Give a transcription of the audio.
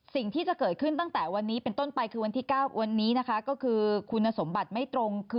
สิ่งที่จะเกิดขึ้นต้นไปวันที่๙วันนี้นะคะคุณสมบัติไม่ตรง